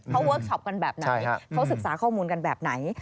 เขาเวิร์คชอปกันแบบไหนเขาศึกษาข้อมูลกันแบบไหน